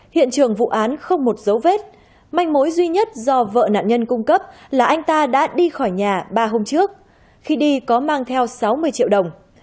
hiện trường vụ án không một dấu vết manh mối duy nhất do vợ nạn nhân cung cấp là anh ta đã đi khỏi nhà ba hôm trước khi đi có mang theo sáu mươi triệu đồng